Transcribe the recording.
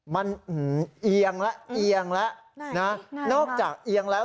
มันเอียงแล้วเอียงแล้วนะนอกจากเอียงแล้ว